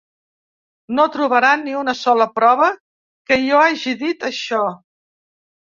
No trobarà ni una sola prova que jo hagi dit això.